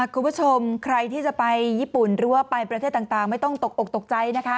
คุณผู้ชมใครที่จะไปญี่ปุ่นหรือว่าไปประเทศต่างไม่ต้องตกอกตกใจนะคะ